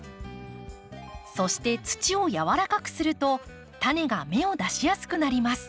そして土をやわらかくするとタネが芽を出しやすくなります。